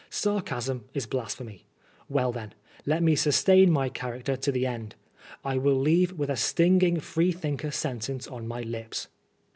Sarcasm is Blasphemy. Well then, let me sustain my character to the end. 1 will leave with a stinging Freethinker sentence on my lips."